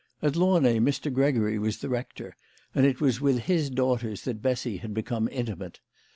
At Launay Mr. Gregory was the rector, and it was with his daughters that Bessy had become intimate.